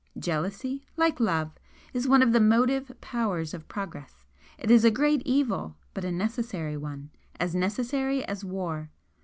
Jealousy, like love, is one of the motive powers of progress. It is a great evil but a necessary one as necessary as war.